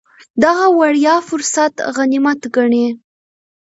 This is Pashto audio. دغه وړیا فرصت غنیمت ګڼي.